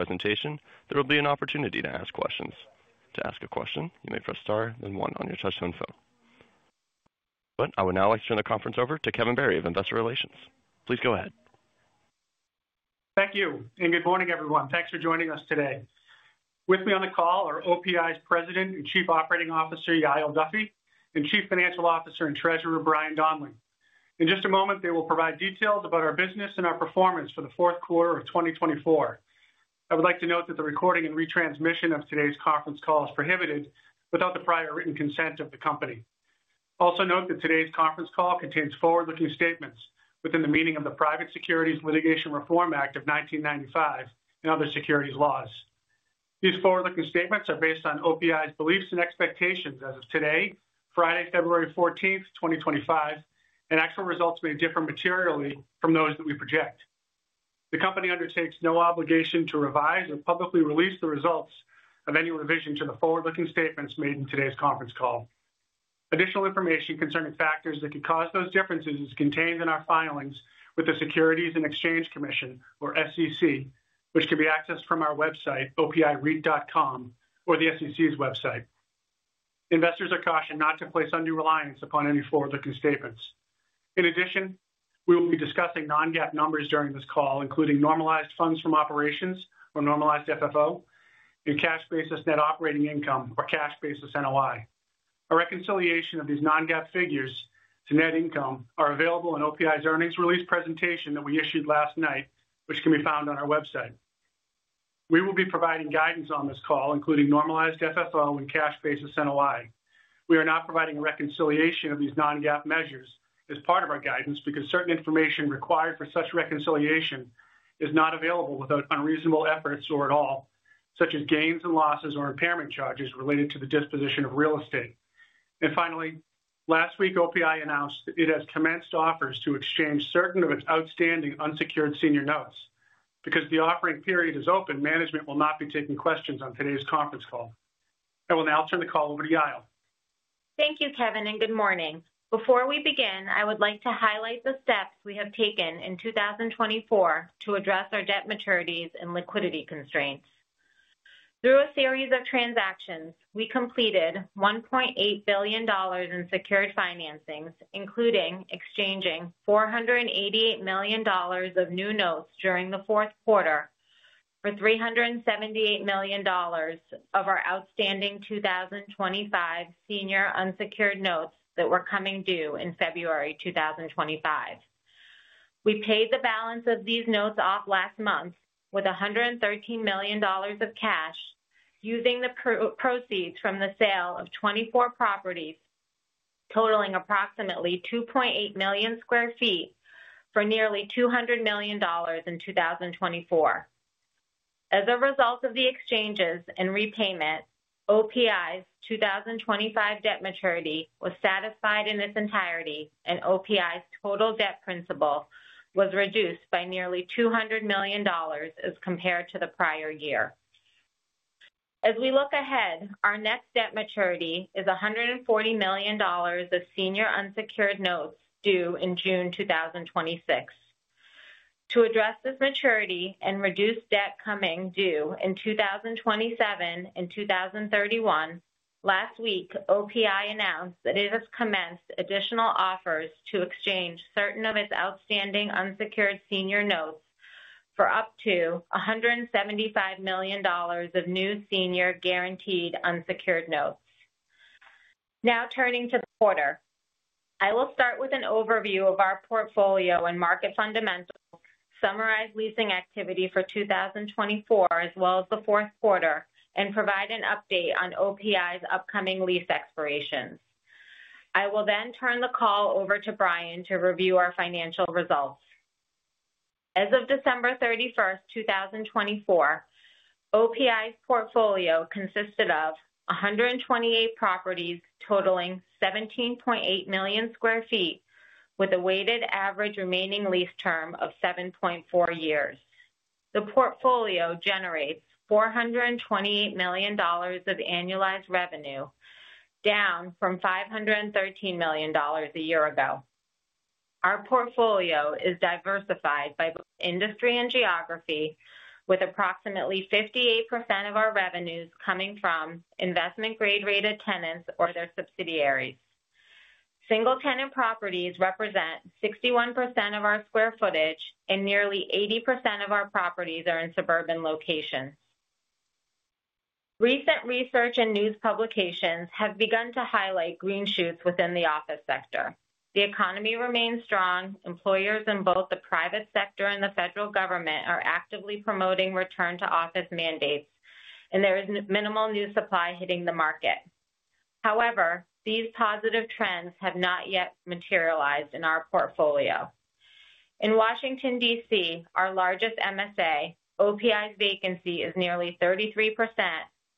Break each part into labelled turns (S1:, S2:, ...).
S1: Presentation, there will be an opportunity to ask questions. To ask a question, you may press star then one on your touch tone phone. I would now like to turn the conference over to Kevin Barry of Investor Relations. Please go ahead.
S2: Thank you, and good morning, everyone. Thanks for joining us today. With me on the call are OPI's President and Chief Operating Officer, Yael Duffy, and Chief Financial Officer and Treasurer, Brian Donley. In just a moment, they will provide details about our business and our performance for the fourth quarter of 2024. I would like to note that the recording and retransmission of today's conference call is prohibited without the prior written consent of the company. Also note that today's conference call contains forward-looking statements within the meaning of the Private Securities Litigation Reform Act of 1995 and other securities laws. These forward-looking statements are based on OPI's beliefs and expectations as of today, Friday, February 14, 2025, and actual results may differ materially from those that we project. The company undertakes no obligation to revise or publicly release the results of any revision to the forward-looking statements made in today's conference call. Additional information concerning factors that could cause those differences is contained in our filings with the Securities and Exchange Commission, or SEC, which can be accessed from our website, opireit.com, or the SEC's website. Investors are cautioned not to place undue reliance upon any forward-looking statements. In addition, we will be discussing non-GAAP numbers during this call, including normalized funds from operations, or normalized FFO, and cash basis net operating income, or cash basis NOI. A reconciliation of these non-GAAP figures to net income is available in OPI's earnings release presentation that we issued last night, which can be found on our website. We will be providing guidance on this call, including normalized FFO and cash basis NOI. We are not providing a reconciliation of these non-GAAP measures as part of our guidance because certain information required for such reconciliation is not available without unreasonable efforts or at all, such as gains and losses or impairment charges related to the disposition of real estate. Finally, last week, OPI announced it has commenced offers to exchange certain of its outstanding unsecured senior notes. Because the offering period is open, management will not be taking questions on today's conference call. I will now turn the call over to Yael.
S3: Thank you, Kevin, and good morning. Before we begin, I would like to highlight the steps we have taken in 2024 to address our debt maturities and liquidity constraints. Through a series of transactions, we completed $1.8 billion in secured financing, including exchanging $488 million of new notes during the fourth quarter for $378 million of our outstanding 2025 senior unsecured notes that were coming due in February 2025. We paid the balance of these notes off last month with $113 million of cash using the proceeds from the sale of 24 properties totaling approximately 2.8 million sq ft for nearly $200 million in 2024. As a result of the exchanges and repayment, OPI's 2025 debt maturity was satisfied in its entirety, and OPI's total debt principal was reduced by nearly $200 million as compared to the prior year. As we look ahead, our next debt maturity is $140 million of senior unsecured notes due in June 2026. To address this maturity and reduce debt coming due in 2027 and 2031, last week, OPI announced that it has commenced additional offers to exchange certain of its outstanding unsecured senior notes for up to $175 million of new senior guaranteed unsecured notes. Now turning to the quarter, I will start with an overview of our portfolio and market fundamentals, summarize leasing activity for 2024 as well as the fourth quarter, and provide an update on OPI's upcoming lease expirations. I will then turn the call over to Brian to review our financial results. As of December 31, 2024, OPI's portfolio consisted of 128 properties totaling 17.8 million sq ft, with a weighted average remaining lease term of 7.4 years. The portfolio generates $428 million of annualized revenue, down from $513 million a year ago. Our portfolio is diversified by industry and geography, with approximately 58% of our revenues coming from investment-grade rated tenants or their subsidiaries. Single-tenant properties represent 61% of our square footage, and nearly 80% of our properties are in suburban locations. Recent research and news publications have begun to highlight green shoots within the office sector. The economy remains strong. Employers in both the private sector and the federal government are actively promoting return-to-office mandates, and there is minimal new supply hitting the market. However, these positive trends have not yet materialized in our portfolio. In Washington, D.C., our largest MSA, OPI's vacancy is nearly 33%,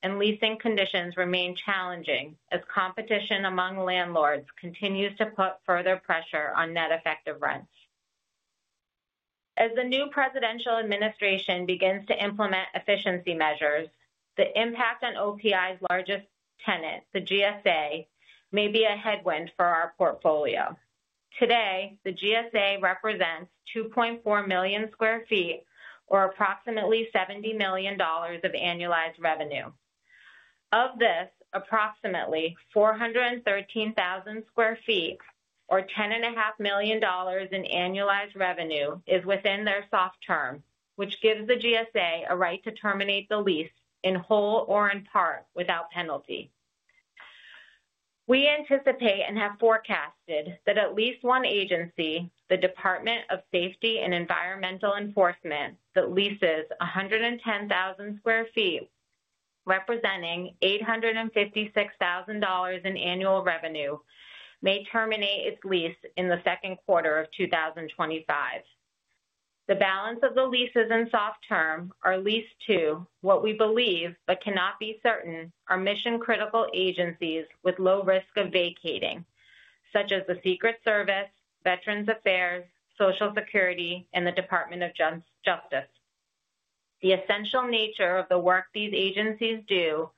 S3: and leasing conditions remain challenging as competition among landlords continues to put further pressure on net effective rents. As the new presidential administration begins to implement efficiency measures, the impact on OPI's largest tenant, the GSA, may be a headwind for our portfolio. Today, the GSA represents 2.4 million sq ft, or approximately $70 million of annualized revenue. Of this, approximately 413,000 sq ft, or $10.5 million in annualized revenue, is within their soft term, which gives the GSA a right to terminate the lease in whole or in part without penalty. We anticipate and have forecasted that at least one agency, the Bureau of Safety and Environmental Enforcement, that leases 110,000 sq ft, representing $856,000 in annual revenue, may terminate its lease in the second quarter of 2025. The balance of the leases in soft term are leased to, what we believe but cannot be certain, are mission-critical agencies with low risk of vacating, such as the US Secret Service, Department of Veterans Affairs, Social Security Administration, and the Department of Justice. The essential nature of the work these agencies do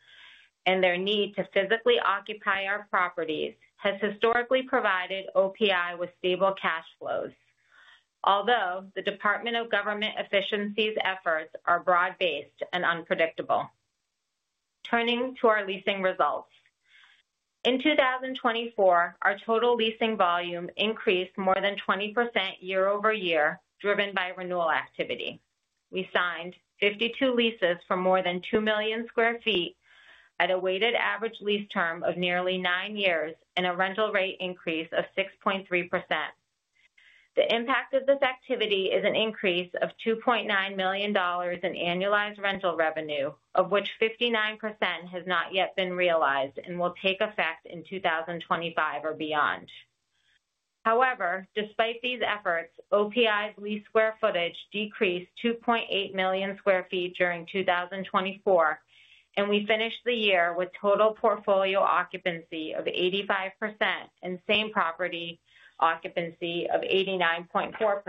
S3: and their need to physically occupy our properties has historically provided OPI with stable cash flows, although the Department of Government Efficiency's efforts are broad-based and unpredictable. Turning to our leasing results. In 2024, our total leasing volume increased more than 20% year over year, driven by renewal activity. We signed 52 leases for more than 2 million sq ft at a weighted average lease term of nearly nine years and a rental rate increase of 6.3%. The impact of this activity is an increase of $2.9 million in annualized rental revenue, of which 59% has not yet been realized and will take effect in 2025 or beyond. However, despite these efforts, OPI's leased square footage decreased 2.8 million sq ft during 2024, and we finished the year with total portfolio occupancy of 85% and same property occupancy of 89.4%.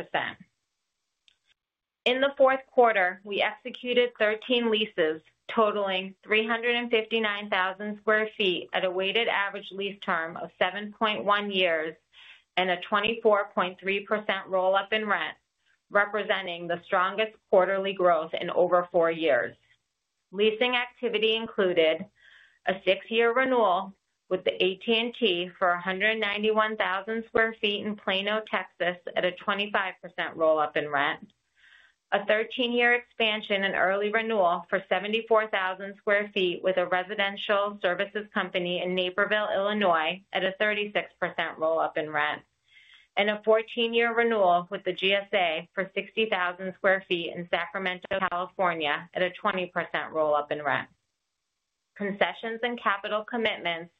S3: In the fourth quarter, we executed 13 leases totaling 359,000 sq ft at a weighted average lease term of 7.1 years and a 24.3% roll-up in rent, representing the strongest quarterly growth in over four years. Leasing activity included a six-year renewal with AT&T for 191,000 sq ft in Plano, Texas, at a 25% roll-up in rent, a 13-year expansion and early renewal for 74,000 sq ft with a residential services company in Naperville, Illinois, at a 36% roll-up in rent, and a 14-year renewal with the GSA for 60,000 sq ft in Sacramento, California, at a 20% roll-up in rent. Concessions and capital commitments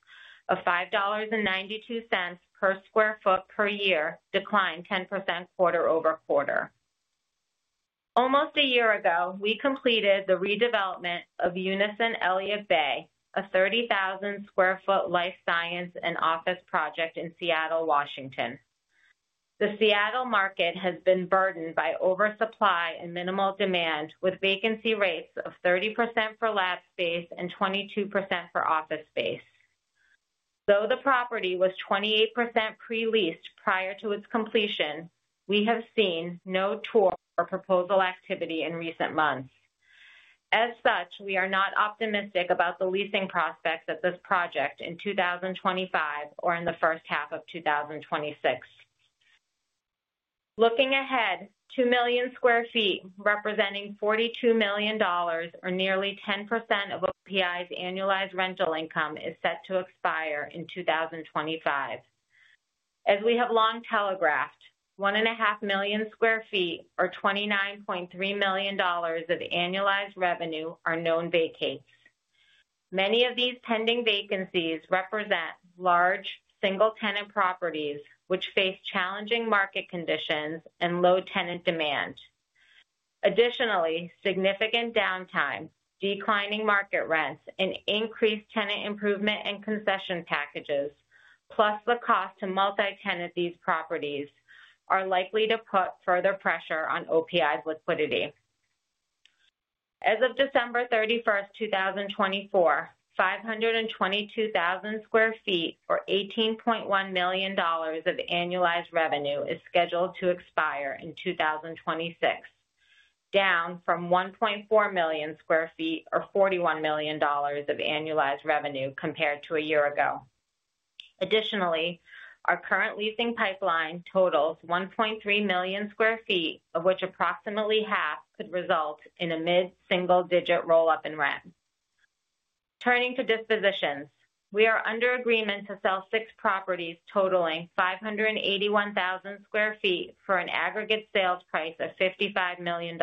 S3: of $5.92 per sq ft per year declined 10% quarter over quarter. Almost a year ago, we completed the redevelopment of Unison Elliott Bay, a 30,000 sq ft life science and office project in Seattle, Washington. The Seattle market has been burdened by oversupply and minimal demand, with vacancy rates of 30% for lab space and 22% for office space. Though the property was 28% pre-leased prior to its completion, we have seen no tour or proposal activity in recent months. As such, we are not optimistic about the leasing prospects at this project in 2025 or in the first half of 2026. Looking ahead, 2 million sq ft, representing $42 million, or nearly 10% of OPI's annualized rental income, is set to expire in 2025. As we have long telegraphed, 1.5 million sq ft, or $29.3 million, of annualized revenue are known vacates. Many of these pending vacancies represent large single-tenant properties, which face challenging market conditions and low tenant demand. Additionally, significant downtime, declining market rents, and increased tenant improvement and concession packages, plus the cost to multi-tenant these properties, are likely to put further pressure on OPI's liquidity. As of December 31, 2024, 522,000 sq ft, or $18.1 million, of annualized revenue is scheduled to expire in 2026, down from 1.4 million sq ft, or $41 million, of annualized revenue compared to a year ago. Additionally, our current leasing pipeline totals 1.3 million sq ft, of which approximately half could result in a mid-single-digit roll-up in rent. Turning to dispositions, we are under agreement to sell six properties totaling 581,000 sq ft for an aggregate sales price of $55 million.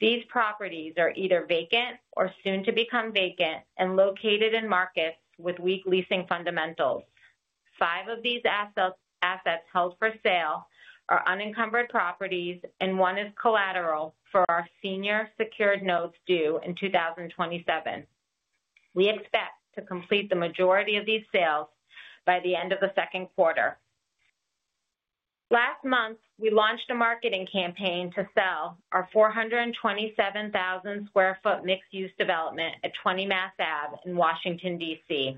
S3: These properties are either vacant or soon to become vacant and located in markets with weak leasing fundamentals. Five of these assets held for sale are unencumbered properties, and one is collateral for our senior secured notes due in 2027. We expect to complete the majority of these sales by the end of the second quarter. Last month, we launched a marketing campaign to sell our 427,000 sq ft mixed-use development at 20 Mass Ave in Washington, D.C.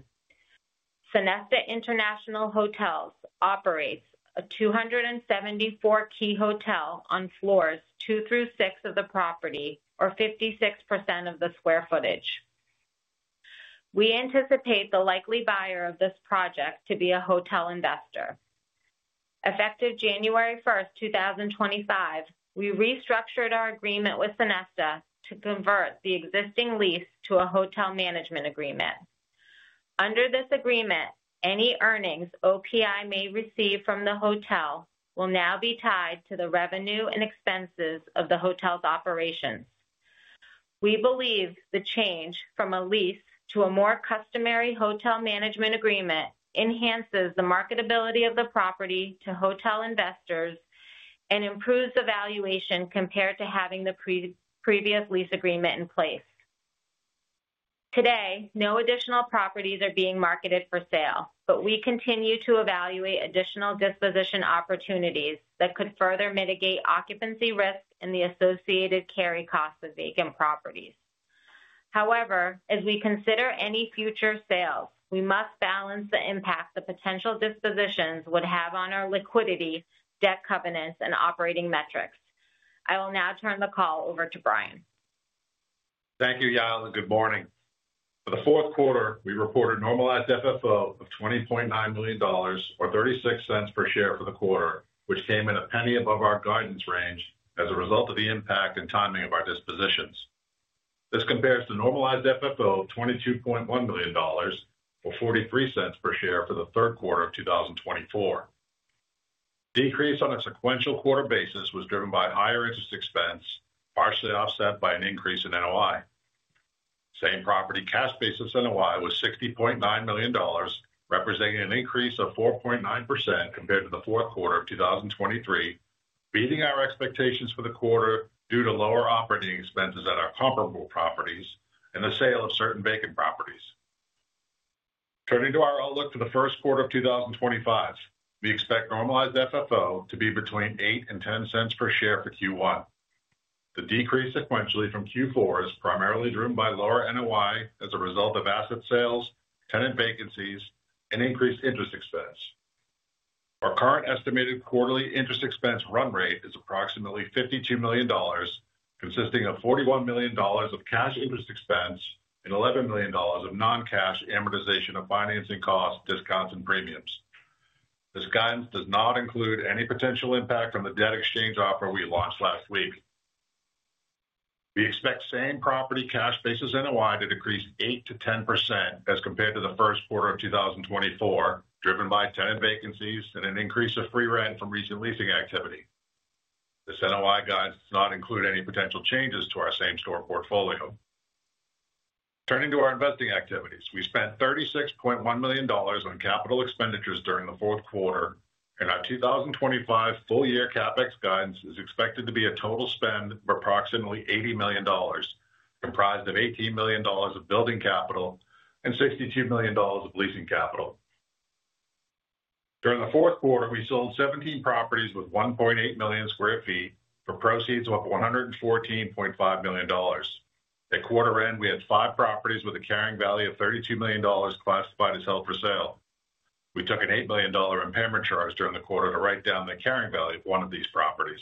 S3: Sonesta International Hotels operates a 274-key hotel on floors two through six of the property, or 56% of the square footage. We anticipate the likely buyer of this project to be a hotel investor. Effective January 1, 2025, we restructured our agreement with Sonesta to convert the existing lease to a hotel management agreement. Under this agreement, any earnings OPI may receive from the hotel will now be tied to the revenue and expenses of the hotel's operations. We believe the change from a lease to a more customary hotel management agreement enhances the marketability of the property to hotel investors and improves the valuation compared to having the previous lease agreement in place. Today, no additional properties are being marketed for sale, but we continue to evaluate additional disposition opportunities that could further mitigate occupancy risk and the associated carry cost of vacant properties. However, as we consider any future sales, we must balance the impact the potential dispositions would have on our liquidity, debt covenants, and operating metrics. I will now turn the call over to Brian.
S4: Thank you, Yael Duffy. Good morning. For the fourth quarter, we reported normalized FFO of $20.9 million, or $0.36 per share for the quarter, which came in a penny above our guidance range as a result of the impact and timing of our dispositions. This compares to normalized FFO of $22.1 million, or $0.43 per share for the third quarter of 2024. Decrease on a sequential quarter basis was driven by higher interest expense, partially offset by an increase in NOI. Same property cash basis NOI was $60.9 million, representing an increase of 4.9% compared to the fourth quarter of 2023, beating our expectations for the quarter due to lower operating expenses at our comparable properties and the sale of certain vacant properties. Turning to our outlook for the first quarter of 2025, we expect normalized FFO to be between $0.08 and $0.10 per share for Q1. The decrease sequentially from Q4 is primarily driven by lower NOI as a result of asset sales, tenant vacancies, and increased interest expense. Our current estimated quarterly interest expense run rate is approximately $52 million, consisting of $41 million of cash interest expense and $11 million of non-cash amortization of financing costs, discounts, and premiums. This guidance does not include any potential impact from the debt exchange offer we launched last week. We expect same property cash basis NOI to decrease 8%-10% as compared to the first quarter of 2024, driven by tenant vacancies and an increase of free rent from recent leasing activity. This NOI guidance does not include any potential changes to our same store portfolio. Turning to our investing activities, we spent $36.1 million on capital expenditures during the fourth quarter, and our 2025 full-year CapEx guidance is expected to be a total spend of approximately $80 million, comprised of $18 million of building capital and $62 million of leasing capital. During the fourth quarter, we sold 17 properties with 1.8 million sq ft for proceeds of $114.5 million. At quarter end, we had five properties with a carrying value of $32 million classified as held for sale. We took an $8 million impairment charge during the quarter to write down the carrying value of one of these properties.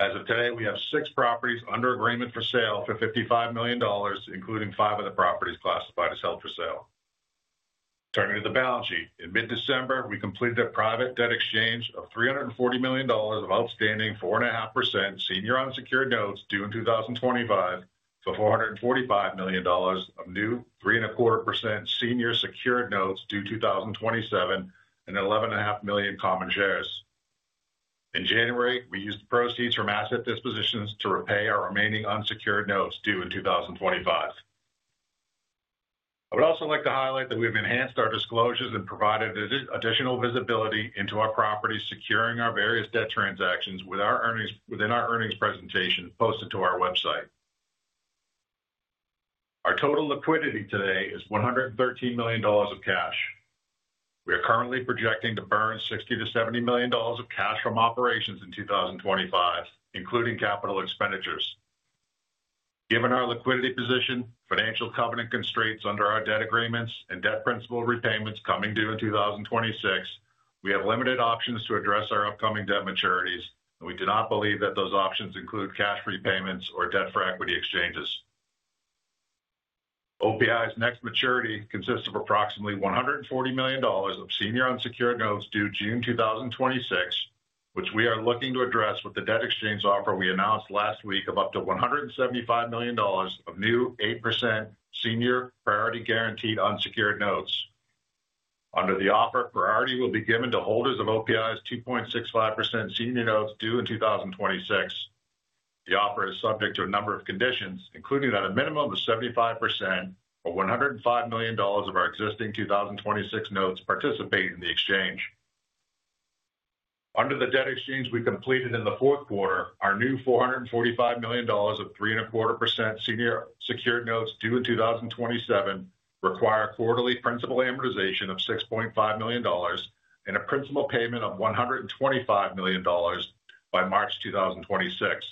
S4: As of today, we have six properties under agreement for sale for $55 million, including five of the properties classified as held for sale. Turning to the balance sheet, in mid-December, we completed a private debt exchange of $340 million of outstanding 4.5% senior unsecured notes due in 2025 for $445 million of new 3.25% senior secured notes due in 2027 and 11.5 million common shares. In January, we used the proceeds from asset dispositions to repay our remaining unsecured notes due in 2025. I would also like to highlight that we have enhanced our disclosures and provided additional visibility into our properties securing our various debt transactions within our earnings presentation posted to our website. Our total liquidity today is $113 million of cash. We are currently projecting to burn $60 million-$70 million of cash from operations in 2025, including capital expenditures. Given our liquidity position, financial covenant constraints under our debt agreements, and debt principal repayments coming due in 2026, we have limited options to address our upcoming debt maturities, and we do not believe that those options include cash repayments or debt for equity exchanges. OPI's next maturity consists of approximately $140 million of senior unsecured notes due June 2026, which we are looking to address with the debt exchange offer we announced last week of up to $175 million of new 8% senior priority guaranteed unsecured notes. Under the offer, priority will be given to holders of OPI's 2.65% senior notes due in 2026. The offer is subject to a number of conditions, including that a minimum of 75% or $105 million of our existing 2026 notes participate in the exchange. Under the debt exchange we completed in the fourth quarter, our new $445 million of 3.25% senior secured notes due in 2027 require quarterly principal amortization of $6.5 million and a principal payment of $125 million by March 2026.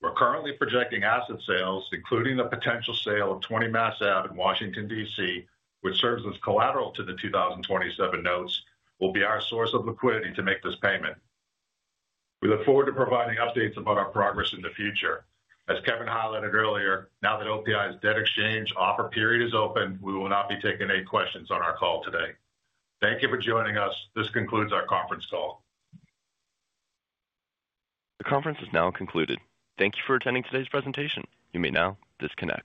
S4: We're currently projecting asset sales, including the potential sale of 20 Mass Ave in Washington, D.C., which serves as collateral to the 2027 notes, will be our source of liquidity to make this payment. We look forward to providing updates about our progress in the future. As Kevin highlighted earlier, now that OPI's debt exchange offer period is open, we will not be taking any questions on our call today. Thank you for joining us. This concludes our conference call.
S2: The conference is now concluded. Thank you for attending today's presentation. You may now disconnect.